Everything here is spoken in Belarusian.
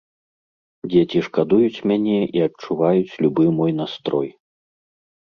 Дзеці шкадуюць мяне і адчуваюць любы мой настрой.